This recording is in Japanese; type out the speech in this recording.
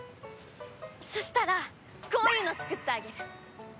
そしたらこういうの作ってあげる！